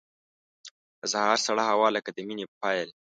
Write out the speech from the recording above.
د سهار سړه هوا لکه د مینې پیل.